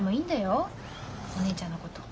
お姉ちゃんのこと。